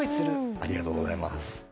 ありがとうございます。